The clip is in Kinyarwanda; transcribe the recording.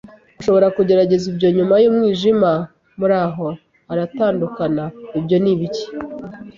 ushobora kugerageza ibyo nyuma yumwijima. Muraho! ” aratandukana. “Ibyo ni ibiki?”